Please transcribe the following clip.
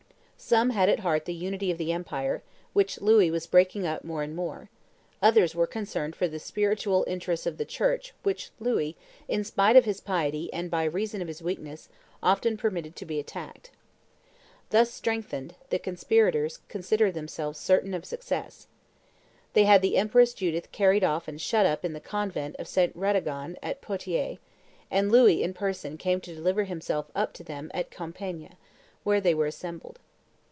Some had at heart the unity of the empire, which Louis was breaking up more and more; others were concerned for the spiritual interests of the Church which Louis, in spite of his piety and by reason of his weakness, often permitted to be attacked. Thus strengthened, the conspirators considered themselves certain of success. They had the empress Judith carried off and shut up in the convent of St. Radegonde at Poitiers; and Louis in person came to deliver himself up to them at Compiegne, where they were assembled.